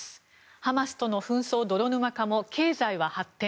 ハマスとの紛争泥沼化も経済は発展。